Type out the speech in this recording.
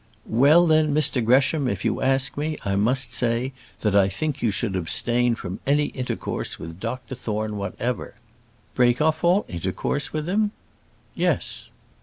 "Well, then, Mr Gresham, if you ask me, I must say, that I think you should abstain from any intercourse with Dr Thorne whatever." "Break off all intercourse with him?" "Yes."